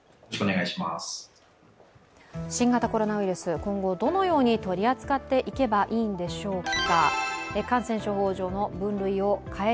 新型コロナウイルス、今後どのように取り扱っていけばいいんでしょうか。